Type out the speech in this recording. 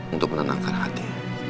untuk menenangkan hati